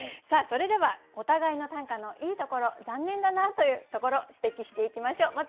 さあそれではお互いの短歌のいいところ残念だなあというところ指摘していきましょう。